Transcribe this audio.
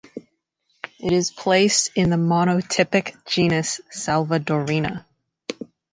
It is placed in the monotypic genus "Salvadorina".